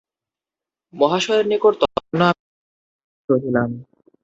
মহাশয়ের নিকট তজ্জন্য আমি চিরঋণবদ্ধ রহিলাম।